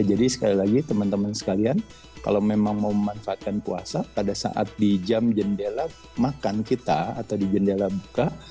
jadi sekali lagi teman teman sekalian kalau memang mau memanfaatkan puasa pada saat di jam jendela makan kita atau di jendela buka